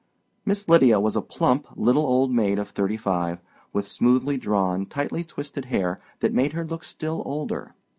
Miss Lydia was a plump, little old maid of thirty five, with smoothly drawn, tightly twisted hair that made her look still older.